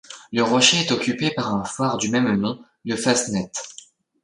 Le rocher est occupé par un phare du même nom, le Fastnet.